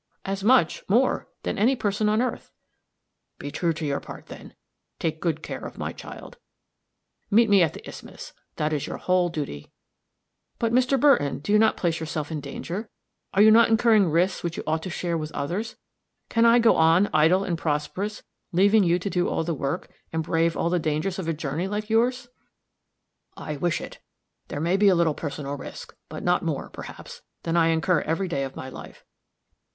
"As much more, than any person on earth." "Be true to your part, then; take good care of my child meet me at the isthmus that is your whole duty." "But, Mr. Burton, do you not place yourself in danger? Are you not incurring risks which you ought to share with others? Can I go on, idle and prosperous, leaving you to do all the work, and brave all the dangers of a journey like yours?" "I wish it. There may be a little personal risk; but not more, perhaps, than I incur every day of my life.